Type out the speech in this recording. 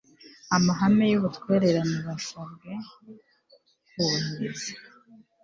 amahame y'ubutwererane basabwe kubahiriza